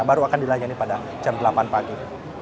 baru akan dilayani pada jam delapan pagi